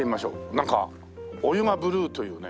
なんかお湯がブルーというね。